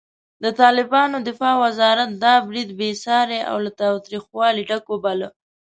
د طالبانو دفاع وزارت دا برید بېساری او له تاوتریخوالي ډک وباله.